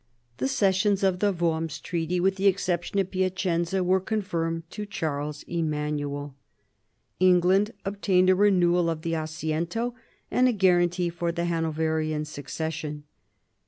The cessions of the Worms Treaty, with the exception of Piacenza, were confirmed to Charles EmanueL England obtained a re newal of the Assiento, and a guarantee for the Hanoverian succession.